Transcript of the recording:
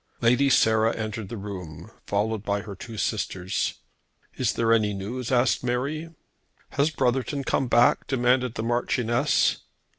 Lady Sarah entered the room, followed by her two sisters. "Is there any news?" asked Mary. "Has Brotherton come back?" demanded the Marchioness.